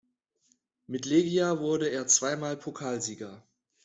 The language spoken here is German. Mit Legia wurde er zweimal Pokalsieger.